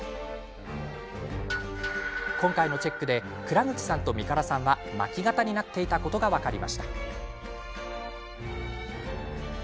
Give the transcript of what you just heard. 今回のチェックで蔵口さんと、みからさんは巻き肩になっていたことが分かりました。